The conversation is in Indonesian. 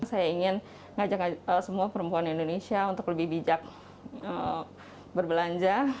saya ingin ngajak semua perempuan indonesia untuk lebih bijak berbelanja